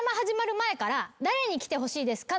誰に来てほしいですか？